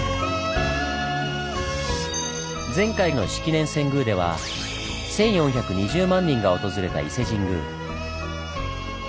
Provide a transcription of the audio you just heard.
前回の式年遷宮では１４２０万人が訪れた伊勢神宮。